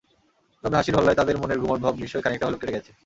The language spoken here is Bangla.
তবে হাসির হল্লায় তাঁদের মনের গুমোট ভাব নিশ্চয় খানিকটা হলেও কেটে গেছে।